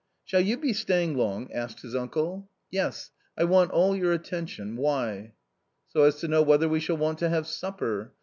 " Shall you be staying long ?" asked his uncle. A COMMON STORY 129 " Yes, I want all your attention ; why ?"" So as to know whether we shall want to have supper.